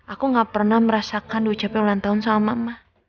aku gak pernah merasakan di ucp ulang tahun sama mama